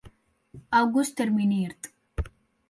August terminiert.